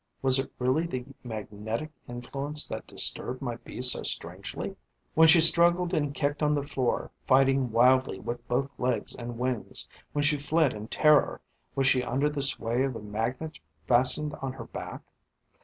Was it really the magnetic influence that disturbed my Bee so strangely? When she struggled and kicked on the floor, fighting wildly with both legs and wings, when she fled in terror, was she under the sway of the magnet fastened on her back?